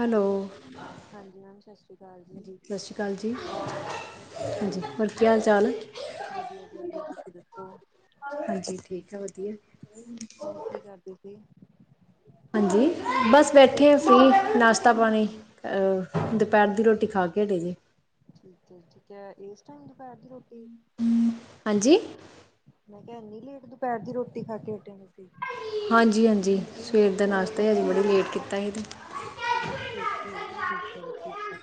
Hello ਹਾਂ ਹਾਂਜੀ ma'am ਸਤਿ ਸ਼੍ਰੀ ਅਕਾਲ ਜੀ ਸਤਿ ਸ਼੍ਰੀ ਅਕਾਲ ਜੀ ਹੋਰ ਕਿਵੇਂ ਹਾਂਜੀ ਹੋ, ਹੋਰ ਕੀ ਹਾਲ ਚਾਲ ਵਧੀਆ ਜੀ ਵਧੀਆ, ਤੁਸੀਂ ਦੱਸੋ ਹਾਂਜੀ ਠੀਕ ਹੈ ਵਧੀਆ ਹੋਰ ਕੀ ਕਰਦੀ ਸੀ ਹਾਂਜੀ ਬਸ ਹੋਰ ਬੈਠੇ ਆਂ ਕੀ ਕਰ ਫ੍ਰੀ, ਨਾਸ਼ਤਾ ਪਾਣੀ ਦੁਪੈਰ ਦੀ ਰੋਟੀ ਖਾ ਕੇ ਹਟੇ ਜੀ ਠੀਕ ਜੀ ਠੀਕ ਹੈ ਇਸ ਟਾਈਮ ਦੁਪਹਿਰ ਦੀ ਰੋਟੀ ਹਾਂਜੀ ਮੈਂ ਕਿਹਾ ਇਨੀ ਲੇਟ ਦੁਪਹਿਰ ਦੀ ਰੋਟੀ ਖਾ ਕੇ ਹਟੇ ਔ ਤੁਸੀ ਹਾਂਜੀ ਹਾਂਜੀ ਸਵੇਰ ਦਾ ਨਾਸ਼ਤਾ ਅਜ ਬੜੀ ਲੇਟ ਕੀਤਾ ਸੀ ਅਤੇ ਓਕੇ ਓਕੇ ਠੀਕ ਹੈ ਜੀ ਠੀਕ ਹੈ,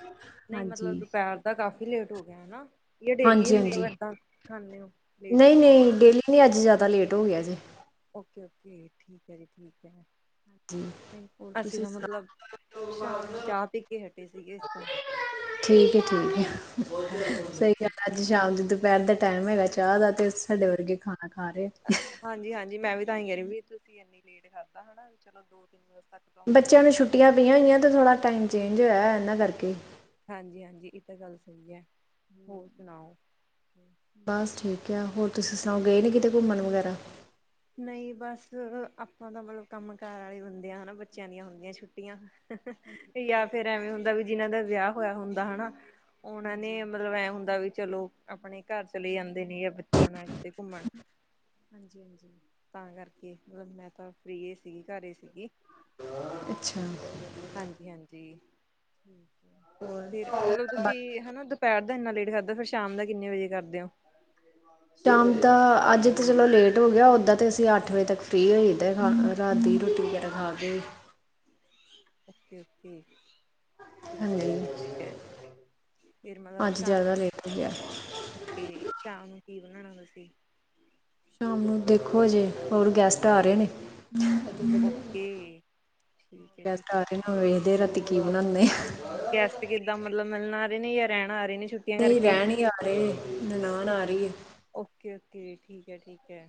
ਨਹੀਂ ਮਤਲਬ ਹਾਂਜੀ ਦੁਪਹਿਰ ਕਾਫੀ ਲੇਟ ਹੋ ਗਿਆ ਹੈਨਾ, ਯਾ ਡੇਲੀ ਹਾਂਜੀ ਮਤਲਬ ਏਦਾਂ ਖਾਂਨੇ ਔ ਲੇਟ ਬ [inaudible] ਨਹੀਂ ਅੱਜ ਜ਼ਿਆਦਾ ਲੇਟ ਹੋ ਗਆ ਜੀ ਓਕੇ ਓਕੇ ਠੀਕ ਹੈ ਜੀ ਠੀਕ ਹੈ ਹਾਂਜੀ ਨਹੀਂ ਹੋਰ ਅਸੀਂ ਤੁਸੀਂ ਤਾਂ ਸੁਣਾਓ ਮਤਲਬ ਸ਼ਾਮ ਦੀ ਚਾਹ ਪੀ ਕੇ ਹਟੇ ਸੀਗੇ ਇਸ ਦਾ ਠੀਕ ਹੈ ਠੀਕ ਹੈ ਹਾਂਜੀ ਸਹੀ ਗਲ ਹਾਂਜੀ ਹੈ ਅੱਜ ਸ਼ਾਮ ਦੇ ਦੁਪਹਿਰ ਦਾ ਟਾਈਮ ਹੈਗਾ ਚਾਹ ਦਾ, ਤੇ ਸਾਡੇ ਵਰਗੇ ਖਾਣਾ ਖਾ ਰਹੇ ਹਾਂਜੀ ਹਾਂਜੀ ਮੈਂ ਵੀ ਤਾਂ ਹੀ ਕਹ ਰਈ ਵੀ ਤੁਸੀਂ ਏਨੀ ਲੇਟ ਖਾਦਾ ਹੋਣਾ, ਚਲੋ ਦੋ ਤਿੰਨ ਵਜੇ ਤੱਕ ਬੱਚਿਆਂ ਨੂੰ ਛੁੱਟੀਆਂ ਪਈਆਂ ਹੋਈਆਂ ਤੇ ਥੋੜਾ ਟਾਈਮ ਚੇਂਜ ਹੋਇਆ, ਇਹਨਾਂ ਕਰਕੇ ਹਾਂਜੀ ਹਾਂਜੀ ਏਹ ਤਾਂ ਗੱਲ ਸਹੀ ਹੈ, ਹੋਰ ਸੁਣਾਓ ਬਸ ਠੀਕ ਐ, ਹੋਰ ਤੁਸੀਂ ਸੁਣਾਓ ਗਏ ਨੇ ਕਿਤੇ ਘੁੰਮਣ ਵਗੈਰਾ ਨਹੀਂ ਬਸ ਆਪਾਂ ਤਾਂ ਮਤਲਬ ਕੰਮ ਕਾਰ ਵਾਲੇ ਬੰਦੇ ਆ, ਹਨਾ ਬੱਚਿਆਂ ਦੀਆਂ ਹੁੰਦੀਆਂ ਛੁੱਟੀਆਂ ਹਾਂਜੀ ਜਾਂ ਫਿਰ ਐਵੇਂ ਹੁੰਦਾ, ਵੀ ਜਿਹਨਾਂ ਦਾ ਵਿਆਹ ਹੋਇਆ ਹੁੰਦਾ ਹਨਾ ਉਹਨਾਂ ਨੇ ਹਾਂਜੀ ਮਤਲਬ ਐ ਹੁੰਦਾ ਵੀ ਚਲੋ ਆਪਣੇ ਘਰ ਚਲੇ ਜਾਂਦੇ ਨੇ, ਜਾਂ ਬੱਚਿਆਂ ਨਾਲ ਕਿਥੇ ਘੁੰਮਣ ਹਾਂਜੀ ਹਾਂਜੀ ਤਾਂ ਕਰਕੇ ਮਤਲਬ ਮੈਂ ਤਾਂ ਫ੍ਰੀ ਏ ਸੀ, ਘਰੇ ਹੀ ਸੀਗੀ ਅੱਛਾ ਹਾਂਜੀ ਹਾਂਜੀ। ਹੋਰ, ਕੀ ਹਾਲ ਐ ਕੀ ਹੈਨਾ ਦੁਪਹਿਰ ਦਾ ਏਨਾ ਲੇਟ ਕਰਦਿਓ, ਫੇਰ ਸ਼ਾਮ ਦਾ ਕਿੰਨੇ ਵਜੇ ਕਰਦੇਓ? ਸ਼ਾਮ ਦਾ ਅੱਜ ਤਾਂ ਚਲੋ ਲੇਟ ਹੋ ਗਯਾ, ਓਦਾਂ ਤਾਂ ਅਸੀਂ ਅੱਠ ਵਜੇ ਤੱਕ ਫ੍ਰਰੀ ਹੋ ਜਾਈ ਦਾ ਰਾਤ ਦੀ ਰੋਟੀ ਖਾਕੇ। ਓਕੇ-ਓਕੇ। ਠੀਕ ਐ ਹਾਂਜੀ ਜੀ, ਠੀਕ ਐ ਫਿਰ ਮਤਲਬ ਅੱਜ ਸ਼ਾਮ ਜ਼ਿਆਦਾ ਲੇਟ ਹੋ ਗਿਆ ਤੇ ਸ਼ਾਮ ਨੂੰ ਕੀ ਬਨਾਨਾ ਤੁਸੀਂ? ਸ਼ਾਮ ਨੂੰ ਦੇਖੋ, ਹਜੇ ਹੋਰ ਗੈਸਟ ਆ ਰੇਨੇ। ਓਕੇ, ਠੀਕ ਏ ਜੀ। ਕਿੰਨਾ ਵੇਖਦੇ ਰੈਂਦੇ ਰਾਤੀਂ ਕੀ ਬਨਾਣੇ ਆ ਗੈਸਟ ਕਿੱਦਾਂ ਮਤਲਬ ਮਿਲਣ ਆ ਰਹੇ ਨੇ ਯਾ ਰਹਿਣ ਆ ਰੇਨੇ ਛੁੱਟੀ ਨਈਂ ਰੈਂਣ ਈ ਆਰੇ, ਨਨਾਨ ਆ ਰੀਏ। ਓਕੇ-ਓਕੇ, ਠੀਕ ਐ, ਠੀਕ ਐ।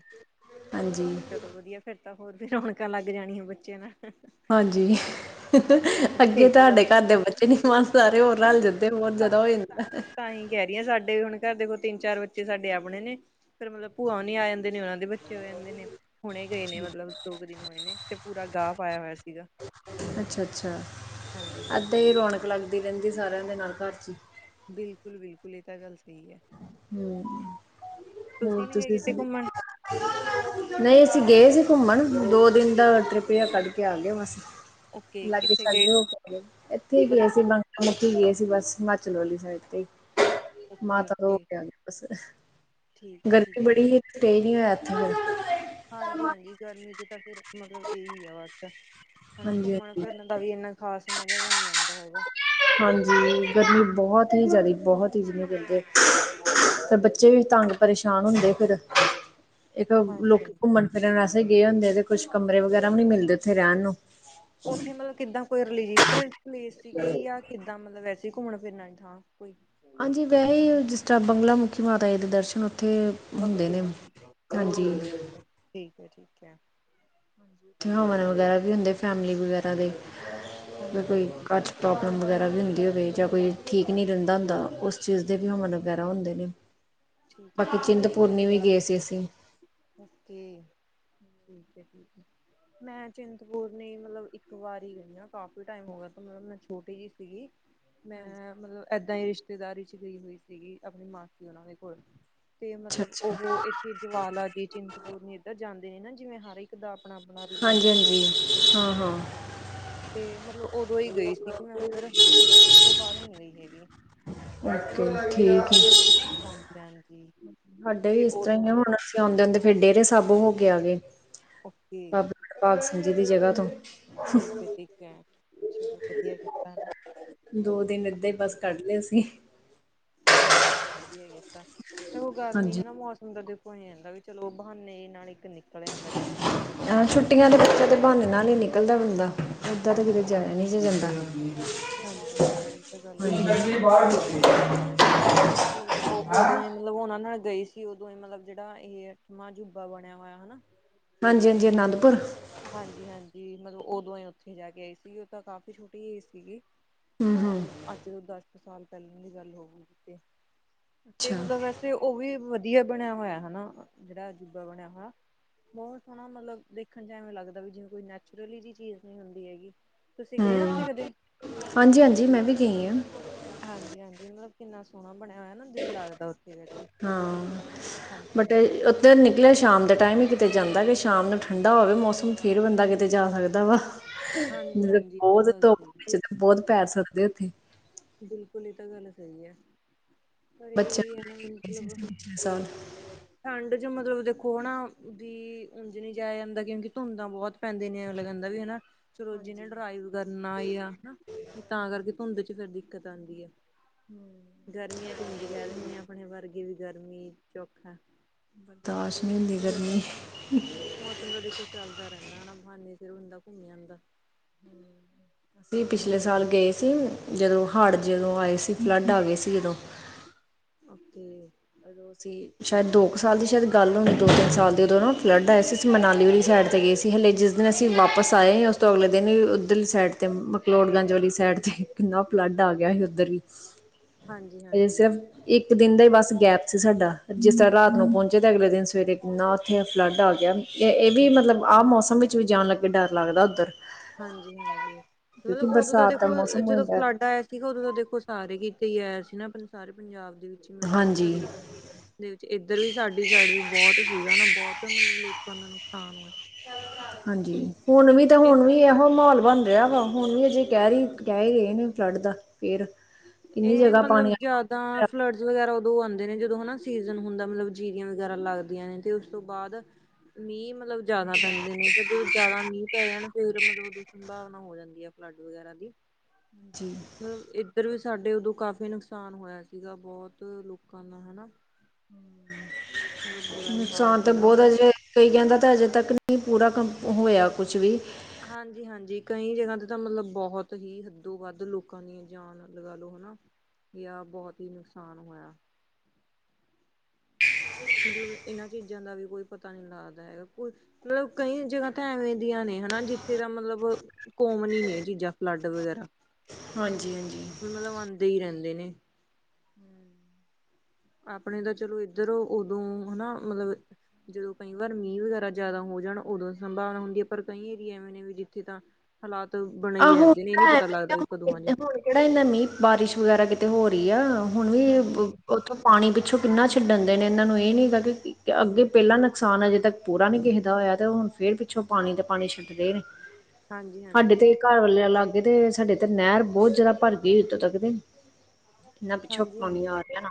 ਹਾਂਜੀ। ਵਧੀਆ ਫੇਰ ਤਾਂ, ਹੋਰ ਵੀ ਰੌਣਕਾਂ ਲੱਗ ਜਾਣੀਆਂ ਬੱਚਿਆਂ ਨਾਲ। ਹਾਂਜੀ। ਹਾਂਜੀ ਹਾਂਜੀ ਅੱਗੇ ਇਹ ਤਾਂ ਗੱਲ ਤਾਡੇ ਸਹੀ ਘਰ ਦੇ ਹੈ। ਬੱਚੇ ਨੀ ਮਾਨ, ਸਾਰੇ ਹੋਰ ਰਲ ਜਾਂਦੇ ਹੋਰ ਜਾਦਾ ਹੋ ਜਾਂਦਾ। ਕੈ ਰਿਆਂ ਸਾਡੇ ਵੀ ਹੁਣ ਘਰ ਦੇ ਕੋਲ ਤਿੰਨ-ਚਾਰ ਬੱਚੇ ਸਾਡੇ ਆਪਣੇ ਨੇ, ਫੇਰ ਮਤਲਬ ਭੂਆ ਓਨੀਂ ਆ ਜਾਂਦੇ ਨੇ ਓਨਾਂ ਦੇ ਬੱਚੇ ਹੋ ਜਾਂਦੇ ਨੇ, ਹੁਣੇ ਗਏ ਨੇ ਮਤਲਬ ਮਤਲਬ ਦੋ ਕੁ ਦਿਨ ਹੋਏ ਨੇ ਤੇ ਪੂਰਾ ਗਾਹ ਪਾਇਆ ਹੋਇਆ ਸੀਗਾ। ਅੱਛਾ-ਅੱਛਾ, ਹਾਂਜੀ ਏਦਾਂ ਈਂ ਹਾਂਜੀ ਰੌਣਕ ਲੱਗਦੀ ਰੈਂਦੀ ਸਾਰਿਆਂ ਦੇ ਨਾਲ ਘਰ ਚ ਈ। ਬਿਲਕੁਲ-ਬਿਲਕੁਲ, ਏ ਤਾਂ ਗੱਲ ਸਹੀ ਏ। ਹੁੰ, ਹੋਰ ਨੀ ਗਏ ਤੁਸੀਂ ਕਿਤੇ ਘੁੰਮਣ ਨਈਂ, ਅਸੀਂ ਗਏ ਸੀ ਘੁੰਮਣ, ਦੋ ਦਿਨ ਦਾ ਤ੍ਟ੍ਰਿਪ ਜੇਯਾ ਕੱਢ ਕੇ ਆ ਗੇਆ ਬਸ ਓਕੇ ਲਾਗੇ ਕਿੱਥੇ ਗਏ [unintelligible] ਏਥੇ ਈ ਗੇ ਮਤਲਬ ਸੀ ਮ ਉੱਨਤੀ ਗਏ ਸੀ ਬਸ ਹਿਮਾਚਲ ਵਾਲੀ ਸਾਈਡ ਤੇ, ਓਕੇ ਮਾਤਾ ਤੋਂ ਓਕੇ [unintelligible] ਬ ਠੀਕ ਹੈ ਠੀਕ ਗਰਮੀ ਹੈ ਬੜੀ ਹੀ ਸਟੇ ਨੀਂ ਹੋਇਆ ਇੱਥੇ ਫੇਰ। ਹਾਂਜੀ-ਹਾਂਜੀ, ਗਰਮੀ ਚ ਤਾਂ ਫਿਰ ਮਤਲਬ ਏਹੀ ਆ ਬਸ। ਹੈਨਾ, ਹਾਂਜੀ ਹਾਂਜੀ ਘੁੰਮਣ-ਫਿਰਨ ਦਾ ਵੀ ਇੰਨਾ ਖਾਸ ਮਜ਼ਾ ਜੇਯਾ ਨੀਂ ਆਂਉਦਾ ਹੈਗਾ। ਹਾਂਜੀ, ਗਰਮੀ ਬਹੋਤ ਹੀ ਜਾਦਾ ਬਹੋਤ ਹੀ ਜਿਵੇੰ ਕੈਂਦੇ। ਤੇ ਬੱਚੇ ਵੀ ਤੰਗ ਪਰੇਸ਼ਾਨ ਹੁੰਦੇ, ਫੇਰ ਇੱਕ ਹਾਂਜੀ ਲੋਕੀ ਘੁੰਮਣ ਫਿਰ ਰੈਣ ਆਸਤੇ ਗਏ ਹੁੰਦੇ ਤੇ ਕੁੱ ਕਮਰੇ ਵਗੈਰਾ ਵੀ ਨਨੀਂ ਮਿਲਦੇ ਓਥੇ ਰੈਣ ਨੂੰ। ਓਥੇ ਮਤਲਬ ਕਿੱਦਾਂ ਕੋਈ ਰਿਲੀਜੀਸੀਅ ਪਲੇਸ ਸੀਗੀ ਯਾਂ ਕਿੱਦਾਂ ਮਤਲਬ ਵੈਸੇ ਈ ਘੁੰਮਣ-ਫਿਰਨ ਆਲੀ ਥਾਂ ਕੋਈ? ਆਂਜੀ, ਵੈਹੇ ਈ ਜਿਸ ਤਰ੍ਹਾਂ ਬੰਗਲਾ ਮੁਖੀ ਮਾਤਾ ਜੀ ਦੇ ਦਰਸ਼ਨ ਓਥੇ ਹੁੰਦੇ ਨੇ, ਓਕੇ ਹਾਂਜੀ। ਠੀਕ ਹੈ ਠੀਕ ਹੈ ਠੀਕ ਐ, ਠੀਕ ਐ। ਓਥੇ ਹਵਨ ਵਗੈਰਾ ਵੀ ਹੁੰਦੇ, ਫੈਮਲੀ ਵਗੈਰਾ ਦੇ ਹਾਂਜੀ ਕੋਈ ਹਾਂਜੀ ਘ ਪ੍ਰੋਬਲਮ ਵਗੈਰਾ ਵੀ ਹੁੰਦੀ ਹੋਵੇ ਜਾਂ ਕੋਈ ਠੀਕ ਨੀਂ ਰੈਂਦਾ ਹੁੰਦਾ, ਉਸ ਚੀਜ਼ ਦੇ ਵੀ ਹਮਨ ਵਗੈਰਾ ਹੁੰਦੇ ਨੇ। [inaudible] ਠੀਕ ਐ, ਠੀਕ ਐ। ਉੱਨੀ-ਵੀ ਗਏ ਸੀ ਅਸੀਂ। ਓਕੇ, ਠੀਕ ਐ, ਠੀਕ ਐ। ਮੈਂ ਚਿੰਤਪੁਰਨੀ ਮਤਲਬ ਇੱਕ ਵਾਰ ਈਂ ਗਈ ਆਂ ਕਾਫੀ ਟਾਈਮ ਹੋ ਗਿਆ ਮਤਲਬ, ਮੈਂ ਛੋਟੀ ਜੀ ਸੀਗੀ। ਹਾਂਜੀ ਮੈਂ ਮਤਲਬ ਏਦਾਂ ਈਂ ਰਿਸ਼ਤੇਦਾਰੀ ਚ ਗਈ ਹੋਈ ਸੀਗੀ, ਅਪਨੀ ਮਾਸੀ ਹੋਨਾਂ ਦੇ ਕੋਲ ਤੇ ਅੱਛਾ ਮਤਲਬ ਅੱਛਾ ਓਹ ਏਥੇ ਜਵਾਲਾ ਜੀ, ਚਿੰਦਪੁਰ ਨੇ ਇੱਧਰ ਜਾਂਦੇ ਨੇ ਨਾ ਜਿਵੇਂ ਹਰ ਇੱਕ ਹਰ ਇਕ ਦਾ ਆਪਣਾ-ਆਪਣਾ ਰਿਲੀਜਨ ਹਾਂਜੀ ਹੁੰਦਾ ਹਾਂਜੀ ਜਿੱਥੇ ਹਾਂ ਪਾਉਂਦੇ। ਹਾਂ ਤੇ ਮਤਲਬ ਉਦੋਂ ਹੀ ਗਈ ਸੀ ਕਿ ਮੈਂ ਉੱਧਰ ੳਸ ਤੋਂ ਬਾਦ ਨੀ ਗਈ ਹੈਗੀ। ਓਕੇ, ਠੀਕ ਏ। ਹਾਂਜੀ-ਹਾਂਜੀ, ਤੇ ਉਦੋਂ ਆਉਂਦੇ-ਆਉਂਦੇ ਫਿਰ ਡੇਰੇ ਸਾਬਹੋ ਕੇ ਆ ਗਏ। ਓਕੇ। ਭਾਗ ਸਿੰਘ ਜੀ ਦੀ ਜਗ੍ਹਾ ਤੋਂ। ਠੀਕ ਹੈ-ਠੀਕ ਹੈ, ਚਲੋ ਵਧੀਆ ਕੀਤਾ ਹੈਨਾ। ਦੋ ਦਿਨ ਏਦਾਂ ਹੀ ਬਸ ਕੱਢ ਲਏ ਅਸੀਂ। ਹਾਂਜੀ, ਚਲੋ ਵਧੀਆ ਕੀਤਾ ਤੇ ਉਹ ਗਰਮੀ ਹਾਂਜੀ ਹੈਨਾ ਮੌਸਮ ਦਾ ਕੰਈ ਨੀ ਆਂਦਾ, ਵੀ ਚਲੋ ਬਹਾਨੇ ਨਾਲ ਇੱਕ ਨਿਕਲ ਜਾਂਦਾ ਛੁੱਕੀਆਂ ਦੇ ਬਹਾਨੇ। ਅਹ ਛੁੱਟੀਆਂ ਤੇ ਬੱਚਾ ਤੇ ਬਹਾਨੇ ਨਾਲ ਹੀ ਨਿਕਲਦਾ ਬੰਦਾ, ਏਦਾਂ ਤਾਂ ਕਿਤੇ ਜਾਆ ਨੀ ਸੀ ਜਾਂਦਾ। ਹਾਂਜੀ-ਹਾਂਜੀ, ਇਹ ਤਾਂ ਗੱਲ ਸਹੀ ਆ ਮੈਂ ਉਹਦੇ ਮਤਲਬ ਦੇ ਉ ਉ ਓਦੋਂ ਮਤਲਬ ਉਹਨਾ ਨਾਲ ਗਈ ਸੀ ਉਦੋਂ ਮਤਲਬ ਜਿਹੜਾ ਇਹ ਮਾਂਜੂਬਾ ਬਣਿਆ ਹੋਇਆ ਹੈਨਾ। ਹਾਂਜੀ-ਹਾਂਜੀ, ਅਨੰਦਪੁਰ। ਹਾਂਜੀ-ਹਾਂਜੀ, ਮਤਲਬ ਉਦੋਂਈ ਉੱਥੇ ਜਾ ਕੇ ਆਈ ਸੀਗੀ ਉਹ ਤਾਂ ਕਾਫ਼ੀ ਛੋਟੀ ਏਜ ਹੀ ਸੀਗੀ। ਹਮ ਹਮ ਮਤਲਬ ਅੱਜ ਤੋਂ ਦਸ ਕੁ ਸਾਲ ਪਹਿਲਾਂ ਦੀ ਗੱਲ ਹੋ ਗੀ ਕਿ ਤੇ ਅੱਛਾ ਮਤਲਬ ਵੈਸੇ ਤੇ ਉਹ ਵੀ ਵਧੀਆ ਬਣਿਆ ਹੋਇਆ ਹੈਨਾ ਜਿਹੜਾ ਅਜੂਬਾ ਬਣਿਆ ਹੋਇਆ। ਬਹੁਤ ਹੈਣਾ ਮਤਲਬ ਦੇਖਣ ਚ ਐਵੇਂ ਲੱਗਦਾ ਵੀ ਜਿਵੇਂ ਕੋਈ ਨੈਚੁਰਲੀ ਜਿਹੀ ਚੀਜ਼ ਨੀ ਹੁੰਦੀ ਹੈਗੀ। ਤੁਸੀਂ ਗਏ ਹੋ ਉੱਥੇ ਕਦੇ? ਹਾਂਜੀ-ਹਾਂਜੀ ਮੈਂ ਵੀ ਗਈ ਹਾਂ। ਹਾਂਜੀ-ਹਾਂਜੀ, ਮਤਲਬ ਕਿੰਨਾ ਸੋਹਣਾ ਬਣਿਆ ਹੋਇਆ ਨਾ ਦਿਲ ਲੱਗਦਾ ਉੱਥੇ। ਵੈਸੇ ਹਾਂ, ਹਾਂਜੀ ਬਟ ਹਾਂਜੀ ਇੱਕ ਜ ਨਿਕਲਿਆ ਸ਼ਾਮ ਦੇ ਟਾਈਮ ਹੀ ਕਿਤੇ ਜਾਂਦਾ ਕਿ ਸ਼ਾਮ ਨੂੰ ਠੰਡਾ ਹੋਵੇ ਮੌਸਮ, ਫਿਰ ਬੰਦਾ ਕਿਤੇ ਜਾ ਸਕਦਾ ਵਾ। ਹਾਂਜੀ ਜ ਹਾਂਜੀ ਇਹ ਤਾਂ ਬਹੁਤ ਗੱਲ ਧੁੱਪ ਸਹੀ ਵਿੱਚ ਬਹੁਤ ਪੈਰ ਸੜਦੇ ਉੱਥੇ। ਬਿਲਕੁਲ, ਇਹ ਤਾਂ ਗੱਲ ਸਹੀ ਹੈ। ਪਰ ਬੱਚਿਆਂ ਇਹੀ ਨੂੰ ਹੈ ਲੈ ਨਾ ਕੇ ਗਏ ਮਤਲਬ ਸੀ ਪਿਛਲੇ ਸਾਲ। ਠੰਡ ਜੋ ਮਤਲਬ ਦੇਖੋ ਨਾ ਵੀ ਉੰਝ ਨਹੀਂ ਜਾਇਆ ਜਾਂਦਾ ਕਿਉਂਕਿ ਧੁੰਦਾਂ ਬਹੁਤ ਪੈਂਦਿਆ ਨੇ, ਲਗਦਾ ਵੀ ਹੈਨਾ। ਚਲੋ ਜਿਹਨੇ ਹਾਂਜੀ ਡਰਾਈਵ ਕਰਨਾ ਆ ਹੈਨਾ ਤੇ ਤਾਂ ਹਾਂਜੀ ਕਰਕੇ ਧੁੰਦ ਚ ਫਿਰ ਦਿੱਕਤ ਆਉਂਦੀ ਆ। ਹੂੰ। ਗਰਮੀਆਂ ਚ ਉਝ ਕਹਿ ਦਿੰਦੇ ਹ ਆਪਣੇ ਵਰਗੇ ਵੀ ਗਰਮੀ ਚ ਔਖਾ। ਬਰਦਾਸ਼ਤ ਨੀ ਹੁੰਦੀ ਮਤਲਬ ਗਰਮੀ। ਮੌਸਮ ਤਾਂ ਦੇਖੋ ਚੱਲਦਾ ਰਹਿੰਦਾ ਹੈਨਾ ਬਹਾਨੇ ਸਿਰ ਬੰਦਾ ਘੁੰਮ ਆਂਦਾ। ਹੂੰ, ਅਸੀਂ ਵੀ ਇਹ ਚੀਜ਼ ਪਿਛਲੇ ਹੋ ਸਾਲ ਜਾਂਦੀ ਗਏ ਸੀ ਜਦੋਂ ਹਾੜ ਜਦੋਂ ਆਏ ਸੀ ਫਲੱਡ ਆ ਗਏ ਸੀ ਜਦੋਂ। ਓਕੇ। ਉਦੋਂ ਅਸੀਂ ਸ਼ਾਇਦ ਦੋ ਕੁ ਸਾਲ ਦੀ ਸ਼ਾਇਦ ਗੱਲ ਹੋਣੀ ਦੋ-ਤਿੰਨ ਸਾਲ ਦੀ ਉਦੋਂ ਫਲੱਡ ਆਏ ਸੀ, ਅਸੀ ਮਨਾਲੀ ਵਾਲੀ ਸਾਈਡ ਤੇ ਗਏ ਸੀ। ਤੇ ਹਲੇ ਜਿਸ ਦਿਨ ਅਸੀਂ ਵਾਪਸ ਆਏ ਉਸ ਤੋਂ ਅਗਲੇ ਦਿਨ ਹੀ ਉੱਧਰ ਸਾਈਡ ਤੇ ਮਕਲੋੜਗੰਜ ਵਾਲੀ ਸਾਈਡ ਤੇ ਕਿੰਨਾ ਫਲੱਡ ਆ ਗਿਆ ਸੀ ਉੱਧਰ ਵੀ, ਹਾਂਜੀ ਅਜੇ ਹਾਂਜੀ ਸਿਰਫ ਇੱਕ ਦਿਨ ਦਾ ਹੀ ਬਸ ਗੈਪ ਸੀ ਸਾਡਾ, ਜਿਸ ਤਰ੍ਹਾਂ ਰਾਤ ਨੂੰ ਪਹੁੰਚੇ ਤਾਂ ਅਗਲੇ ਦਿਨ ਸਵੇਰੇ ਨਾ ਉੱਥੇ ਫਲੱਡ ਆ ਗਿਆ। ਇਹ ਵੀ ਮਤਲਬ ਆਹ ਮੌਸਮ ਵਿੱਚ ਵੀ ਜਾਣ ਲੱਗੇ ਡਰ ਲੱਗਦਾ ਉੱਧਰ। ਹਾਂਜੀ-ਹਾਂਜੀ, ਮਤਲਬ ਕਿਉਂਕਿ ਉਦੋਂ ਦਾ ਬਰਸਾਤ ਦੇਖੋ ਮੌਸਮ ਹੋ ਜਦੋਂ ਜਾਂਦਾ ਫਲੱਡ ਆਇਆ। ਠੀਕ ਆ, ਉਦੋਂ ਤਾਂ ਦੇਖੋ ਸਾਰੇ ਕਿਤੇ ਹੀ ਆਇਆ ਸੀ ਨਾ ਆਪ ਸਾਰੇ ਪੰਜਾਬ ਦੇ ਵਿੱਚ ਮਤਲਬ ਬਹੁਤ ਸਾਰੇ ਹਾਂਜੀ ਦੇ ਵਿੱਚ ਇਧਰ ਵੀ ਸਾਡੀ ਸਾਈਡ ਵੀ ਬਹੁਤ ਸੀਗਾ ਹਨਾ ਬਹੁਤ ਮਤਲਬ ਲੋਕਾਂ ਦਾ ਨੁਕਸਾਨ ਹੋਇਆ। ਹਾਂਜੀ ਹੁਣ ਵੀ ਤੇ ਇਹ ਹੁਣ ਵੀ ਇਹੋ ਮਾਹੌਲ ਬਣਦਾ ਰਿਆ ਵਾ ਹੁਣ ਵੀ ਅਜੇ ਕਹਿ ਰਹੀ ਕਹਿ ਰਹੇ ਨੇ ਫਲੱਡ ਦਾ ਫਿਰ ਇਹ ਮਤਲਬ ਜਿਆਦਾ ਫਲੱਡਸ ਵਗੈਰਾ ਉਦੋਂ ਆਉਂਦੇ ਨੇ ਜਦੋਂ ਹਨਾ ਸੀਜਨ ਹੁੰਦਾ ਮਤਲਬ ਜੀਰੀਆਂ ਵਗੈਰਾ ਲੱਗਦੀਆਂ ਨੇ ਤੇ ਤੋਂ ਬਾਅਦ ਮੀਂਹ ਮਤਲਬ ਜਿਆਦਾ ਪੈਂਦੇ ਨੇ ਫਿਰ ਜਦੋਂ ਜ਼ਿਆਦਾ ਮੀਂਹ ਪੈ ਜਾਣ ਫਿਰ ਮਤਲਬ ਉਦ ਸੰਭਾਵਨਾ ਹੋਰ ਹੋ ਜਾਂਦੀ ਹੈ ਫਲੱਡ ਵਗੈਰਾ ਦੀ ਜੀ ਮਤਲਬ ਇਹ ਇਧਰ ਵੀ ਸਾਡੇ ਉਦੋਂ ਕਾਫੀ ਨੁਕਸਾਨ ਹੋਇਆ ਸੀਗਾ ਬਹੁਤ ਲੋਕਾਂ ਦਾ ਹਨਾ। ਮਤਲਬ ਬੁਰਾ ਹੀ ਹਾਲ ਨੁਕਸਾਨ ਤਾਂ ਸੀਗਾ। ਬਹੁਤ ਅਜੇ ਕਈਆਂ ਦਾ ਤਾਂ ਅਜੇ ਤੱਕ ਨਹੀਂ ਪੂਰਾ ਕੰਮ ਹੋਇਆ ਕੁਛ ਵੀ ਹਾਂਜੀ ਹਾਂਜੀ ਕਈ ਜਗ੍ਹਾ ਤੇ ਤਾਂ ਮਤਲਬ ਬਹੁਤ ਹੀ ਹੱਦੋ ਵੱਧ ਲੋਕਾਂ ਦੀ ਜਾਨ ਲਗਾ ਲੋ ਹਨਾ ਯਾ ਬਹੁਤ ਹੀ ਨੁਕਸਾਨ ਹੋਇਆ। ਮਤਲਬ ਇਹਨਾਂ ਚੀਜ਼ਾਂ ਦਾ ਵੀ ਕੋਈ ਪਤਾ ਨੀ ਲੱਗਦਾ ਹੈਗਾ ਮਤਲਬ ਕਈ ਜਗ੍ਹਾ ਤਾਂ ਐਵੇਂ ਦੀਆਂ ਨੇ ਹਨਾ ਜਿੱਥੇ ਦਾ ਮਤਲਬ ਕਾਮਨ ਹੀ ਨੇ ਇਹ ਚੀਜ਼ਾਂ ਫਲੱਡ ਵਗੈਰਾ। ਹਾਂਜੀ ਹਾਂਜੀ। ਮਤਲਬ ਆਦੇ ਹੀ ਰਹਿੰਦੇ ਨੇ। ਆਪਣੇ ਤਾਂ ਚਲੋ ਇੱਧਰ ਉਦੋਂ ਹਨਾ ਮਤਲਬ ਜਦੋਂ ਕਈ ਵਾਰ ਮੀਂਹ ਵਗੈਰਾ ਜ਼ਿਆਦਾ ਹੋ ਜਾਣ ਉਦੋਂ ਸੰਭਾਵਨਾ ਹੁੰਦੀ ਹੈ ਪਰ ਕਈ ਏਰੀਏ ਐਵੇਂ ਨੇ ਵੀ ਜਿੱਥੇ ਤਾਂ ਹਾਲਾਤ ਬਣੇ ਆਹ ਹੀ ਹੁਣ ਰਹਿੰਦੇ ਨੇ ਇਹ ਨ ਤਾਂ ਪਤਾ ਲੱਗਦਾ ਵੀ ਕਦੋਂ ਆ ਨੇ ਐਵੇਂ ਹੁਣ ਕਿਹੜਾ ਇਹਨਾ ਮੀਹ ਬਾਰਿਸ਼ ਵਗੈਰਾ ਕਿਤੇ ਹੋ ਰਹੀ ਆ ਹੁਣ ਵੀ ਹਾਂਜੀ ਉੱਥੋਂ ਪਾਣੀ ਪਿੱਛੋਂ ਕਿੰਨਾ ਛਿਡਣ ਦੇ ਨੇ ਇਹਨਾਂ ਨੂੰ ਇਹ ਨਹੀਂ ਹੈਗਾ ਕਿ ਅੱਗੇ ਪਹਿਲਾ ਨੁਕਸਾਨ ਹੈ ਅਜੇ ਤੱਕ ਪੂਰਾ ਨੀ ਕਿਸੇਦਾ ਹੋਇਆ ਤੇ ਹੁਣ ਫਿਰ ਪਿੱਛੋਂ ਪਾਣੀ ਤੇ ਪਾਣੀ ਛੱਡਦੇ ਨੇ। ਹਾਂਜੀ ਸਾਡੇ ਹਾਂਜੀ ਤੇ ਬਿਲਕੁਲ। ਘਰ ਵ ਲੱਗਦੇ ਸਾਡੇ ਤੇ ਨਹਿਰ ਬਹੁਤ ਜ਼ਿਆਦਾ ਭਰ ਗਈ ਹੋਈ ਉੱਤੋਂ ਤੱਕ ਤੇ। ਕਿਨਾ ਪਿੱਛੋਂ ਹਾਂਜੀ ਪਾਉਣੀ ਹਾਂਜੀ ਆ ਗਿਆ ਨਾ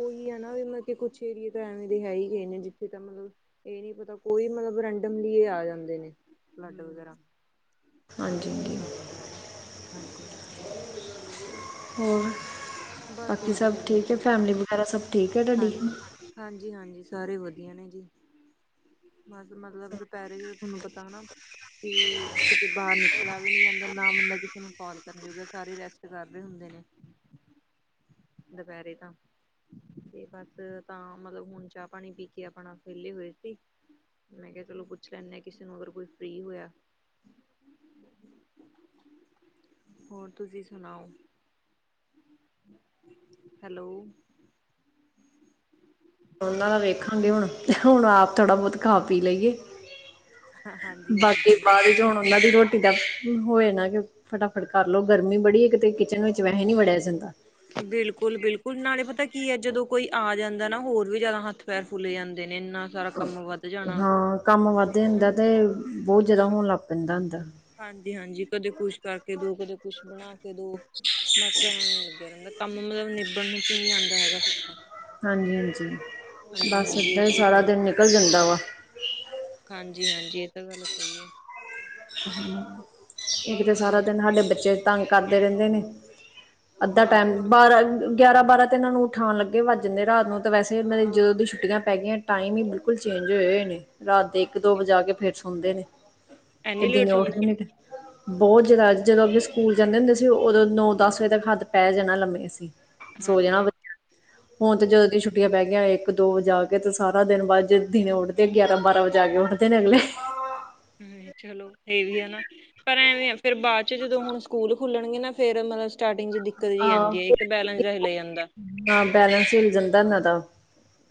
ਉਹੀ ਹੈ ਨਾ ਵੀ ਮਤਲਬ ਕੁਛ ਏਰੀਏ ਤਾਂ ਐਵੇਂ ਦੇ ਹੈ ਹੀ ਗਏ ਨੇ ਜਿੱਥੇ ਤਾਂ ਮਤਲਬ ਇਹ ਨਹੀਂੀ ਪਤਾ ਕੋਈ ਮਤਲਬ ਰੈਂਡਮਲੀ ਆ ਜਾਂਦੇ ਨੇ ਫਲੱਡ ਵਗੈਰਾ। ਕੁਛ ਹਾਂਜੀ ਨਿ ਹਾਂਜੀ ਪਤਾ ਹੁੰਦਾ ਹੈਗਾ ਹਾਂਜੀ ਹਾਂਜੀ। ਹੋਰ ਬਸ ਵਧੀਆ ਜੀ ਉਹ ਤਾਂ ਯਾਰਾ ਸਭ ਠੀਕ ਹੈ ਹਾਂ ਤੁਹਾਡੀ। ਹਾਂਜੀ ਹਾਂਜੀ ਸਾਰੇ ਵਧੀਆ ਨੇ ਜੀ। ਬਸ ਮਤਲਬ ਦੁਪਹਿਰੇ ਚ ਤਾਂ ਤੁਹਾਨੂੰ ਪਤਾ ਨਾ। ਕਿ ਕਿਤੇ ਬਾਹਰ ਨਿਕਲ ਵੀ ਨੀ ਜਾਂਦਾ ਨਾ ਮੰੰਦਾ ਕਿਸੇ ਨੂੰ। ਕਾਲ ਕਰਨ ਜੋੁਗਾ ਸਾਰੇ ਰੈਸਟ ਕਰ ਰਹੇ ਹੁੰਦੇ ਨੇ ਦੁਪਹਿਰੇ ਤਾਂ ਤੇ ਬਸ ਤਾਂ ਮਤਲਬ ਹੁਣ ਚਾਹ ਪਾਣੀ ਪੀ ਕੇ ਆਪਣਾ ਫਹਲੇ ਹੋਏ ਸੀ। ਮੈਂ ਕਿਹਾ ਚਲੋ ਪੁੱਛ ਲੈਂਦੇ ਹਾਂ ਕਿਸੇ ਨੂੰ ਅਗਰ ਕੋਈ ਫਰੀ ਹੋਇਆ। ਹੋਰ ਤੁਸੀਂ ਸੁਣਾਓ। ਹੈਲੋ। ਉਹਨਾਂ ਦਾ ਵੇਖਾਂਗੇ ਹੁਣ ਤੇ ਹੁਣ ਆਪ ਥੋੜ੍ਹਾ ਬਹੁਤ ਖਾ ਪੀ ਲਈਏ। ਹਾਂਜੀ ਬਾਕੀ ਹਾਂਜੀ ਬਾਅਦ ਚ ਹੁਣ ਉਹਨਾਂ ਦੀ ਰੋਟੀ ਦਾ ਹੋਏ ਨਾ ਕਿ ਫਟਾਫਟ ਕਰ ਲੋੋ ਗਰਮੀ ਬੜੀ ਕਿਤੇ ਕਿਚਨ ਵਿੱਚ ਵੈਸੇ ਨੀ ਵੜਿਆ ਜਾਂਦਾ। ਬਿਲਕੁਲ ਬਿਲਕੁਲ ਨਾਲੇ ਪਤਾ ਕੀ ਹੈ ਜਦੋਂ ਕੋਈ ਆ ਜਾਂਦਾ ਨਾ ਹੋਰ ਵੀ ਜ਼ਿਆਦਾ ਹੱਥ ਪੈਰ ਫੁਲੇ ਜਾਂਦੇ ਨੇ ਇਨਾਂ ਹਾਂ ਕੰਮ ਵੱਧਦੇ ਹਨਾ ਹੁੰਦਾ ਤੇ ਬਹੁਤ ਜਿਆਦਾ ਕੁਛ ਹੋਣ ਲੱਗ ਪੈਂਦਾ ਹੁੰਦਾ। ਹਾਂਜੀ ਹਾਂਜੀ ਕਦੇ ਕੁਛ ਕਰਕੇ ਦੋ ਕਦੇ ਕੁਛ ਬਣਾ ਕੇ ਦੋ। ਬਸ ਇਹਨਾ [unintelligible] ਕੰਮ ਮਤਲਬ ਨਿਬੜਣ ਚ ਹੀ ਨਹੀਂੀ ਆਉਂਦਾ ਹੈਗਾ ਹਾਂਜੀ ਹਾਂਜੀ ਹਾਂਜੀ ਬਸ ਹਾਂਜੀ ਇਹ ਇੱਦਾਂ ਹੀ ਚੀਜ਼ ਸਾਰਾ ਦਿਨ ਨਿਕਲ ਜਾਂਦਾ ਵਾ। ਹਾਂਜੀ ਹਾਂਜੀ ਇਹ ਤਾਂ ਗੱਲ ਸਹੀ ਹੈ। ਹਮ ਇੱਕ ਇਹੀ ਤਾਂ ਸਾਰਾ ਹੁੰਦਾ ਦਿਨ ਸਾਡੇ ਛੁੱਟੀਆਂ ਬੱਚੇ। ਤੰਗ ਕਰਦੇ ਰਹਿੰਦੇ ਨੇ ਅੱਧਾ ਟਾਈਮ ਬਿਲਕੁਲ। ਬਾਰਾਂ। ਗਿਆਰਾਂ ਬਾਰਾਂ ਤਾਂ ਇਹਨਾਂ ਨੂੰ ਉਠਾਉਣ ਲੱਗੇ ਵੱਜ ਜਾਂਦੇ ਰਾਤ ਨੂੰ ਤਾਂ ਵੈਸੇ ਮਨਾਂ ਦੀ ਜਦੋਂ ਦੀ ਛੁੱਟੀਆਂ ਪੈ ਗਈਆਂ। ਟਾਈਮ ਹੀ ਬਿਲਕੁਲ ਚੇਂਜ ਹੋਏ ਹੋਏ ਨੇ ਰਾਤ ਦੇ ਇੱਕ ਦੋ ਵਜਾ ਕੇ ਫਿਰ ਸੁਣਦੇ ਨੇ। ਤੇ ਐਨੀ ਦਿਨ ਲੇਟ ਸੌਂਦੇ? [unintelligible] ਬਹੁਤ ਜ਼ਿਆਦਾ ਜਦੋਂ ਅਗੇ ਸਕੂਲ ਜਾਂਦੇ ਹੁੰਦੇ ਸੀ ਉਦੋਂ ਨੌ ਦਸ ਵਜੇ ਤੱਕ ਹੱਦ ਪੈ ਜਾਣਾ ਲੰਮੇ। [unintelligible] ਹਾਂਜੀ-ਹਾਂਜੀ। ਹੁਣ ਤੇ ਜਦੋਂ ਦੀਆਂ ਛੁੱਟੀਆਂ ਪੈ ਗਈਆਂ ਇੱਕ ਦੋ ਵਜੇ ਆ ਕੇ ਤੇ ਸਾਰਾ ਦਿਨ ਬਾਅਦ ਜ ਦਿਨਂ ਉੱਦੇ ਗਿਆਰਾਂ ਬਾਰਾਂ ਵਜਾ ਆ ਕੇ ਉੱਠਦੇ। [unintelligible] ਹਮ ਚਲੋ ਇਹ ਵੀ ਆ ਨਾ। ਪਰ ਐਵੇਂ ਫਿਰ ਬਾਅਦ ਚ ਜਦੋਂ ਹੁਣ ਸਕੂਲ ਖੁੱਲਣਗੇ ਨਾ ਫੇਿਰ ਮਤਲਬ ਸਟਾਰਟਿੰਗ ਦਿਕਤ ਦਿਕਤ ਜੀ ਆਦੀ ਆ ਹੈ ਇੱਕ ਬੈਲੈਂਸ ਜਾ ਹਿਲ ਜਾਂਦਾ। ਨਾਾਂ ਬੈਲੈਂਸ ਹਿਲ ਜਾਂਦਾ ਇਹਨਾ ਦਾ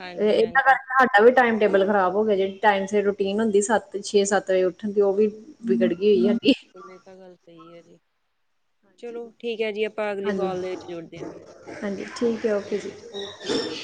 ਹਾਂਜੀ-ਹਾਂਜੀ, [unintelligible] ਵੀ ਟਾਈਮ ਟੇਬਲ ਖ਼ਰਾਬ ਹੋ ਗਿਆ ਜਿਹੜੀ ਟਾਇਮ ਸੀਰ ਰੂਟੀਨ ਹਦੀ ਸੱਤ ਛੇ ਵਜੇ ਉੱਠਨ ਦੀ ਉਹ ਵਿਗੜ ਗਈ [unintelligible] ਹੋਈ ਚਲੋ ਸਾਡੀ ਠੀਕ ਹੈ ਜੀ ਆਪਾਂ ਅਗਲੀ ਹਾਂਜੀ ਕੋਲ ਦੇ ਵਿੱਚ ਜੁੜਦੇ ਹਾਂ ਫਿਰ ਹਾਂਜੀ ਠੀਕ ਹੈ ਓ ਓਕੇ ਜੀ ਓਕੇ ਜੀ ਠੀਕ।